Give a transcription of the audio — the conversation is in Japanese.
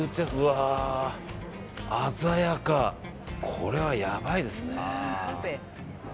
これは、やばいですね。